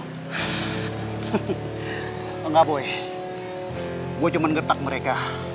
hehehe enggak boy gua cuma ngetak mereka